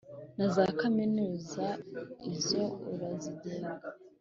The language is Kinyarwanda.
Na za kaminuza izo urazigenga